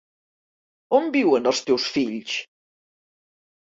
On viuen els teus fills?